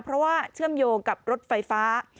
เพราะว่าเชื่อมโยงกับรถไฟฟ้า